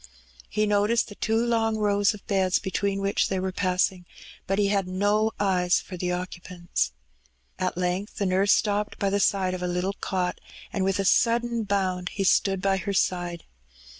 He noticed the two long rows of beds between which they were passings but he had no eyes for the occupants. At length the nurse stopped by the side of a little cot^ and with a sudden bound he stood by her side.